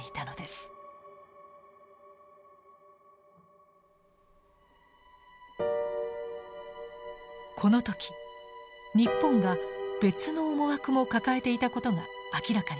この時日本が別の思惑も抱えていたことが明らかになりました。